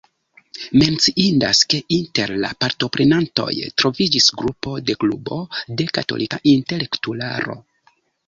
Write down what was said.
Menciindas, ke inter la partoprenantoj troviĝis grupo de Klubo de Katolika Intelektularo.